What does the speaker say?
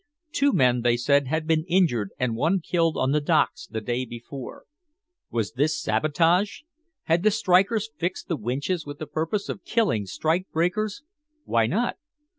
Two men, they said, had been injured and one killed on the docks the day before. Was this Sabotage? Had the strikers fixed the winches with the purpose of killing strike breakers? Why not?